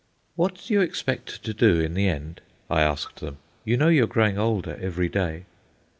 "What do you expect to do in the end?" I asked them. "You know you're growing older every day."